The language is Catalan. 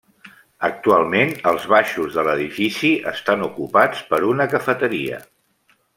Actualment els baixos de l'edifici estan ocupats per una cafeteria.